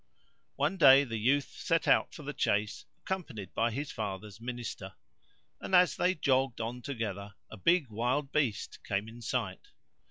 One day the youth set out for the chase accompanied by his father's Minister; and, as they jogged on together, a big wild beast came in sight.